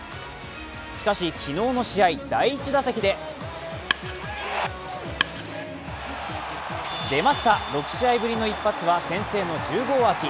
しかし、昨日の試合、第１打席で出ました、６試合ぶりの１発は先制の１０号アーチ。